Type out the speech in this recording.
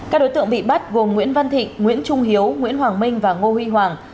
các đối tượng bị bắt gồm nguyễn văn thịnh nguyễn trung hiếu nguyễn hoàng minh và ngô huy hoàng